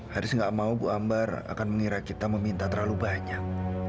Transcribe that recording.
haris nggak mau bu ambar akan mengira kita meminta terlalu banyak